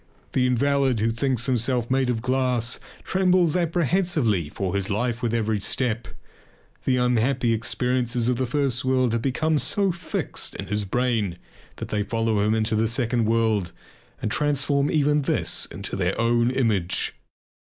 The invalid who thinks himself made of glass trembles apprehensively for his life with every step. The unhappy experiences of the first world have become so fixed in his brain that they follow him into the second world and transform even this into their own image.